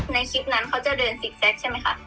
ในคลิปนั้นเขาจะเดินซิกแจ๊คใช่ไหมคะ